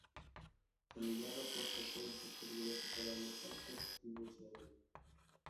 El lugar rocoso puede ser peligroso para los saltos y buceadores.